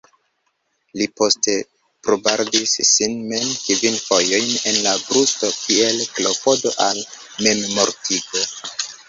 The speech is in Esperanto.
Li poste pobardis sin mem kvin fojojn en la brusto kiel klopodo al memmortigo.